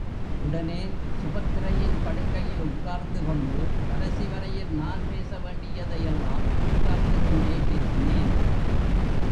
உடனே சுபத்திரையின் படுக்கையில் உட்கார்ந்து கொண்டு, கடைசி வரையில் நான் பேச வேண்டியதையெல்லாம் உட்கார்ந்து கொண்டே பேசினேன்!